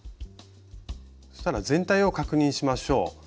そしたら全体を確認しましょう。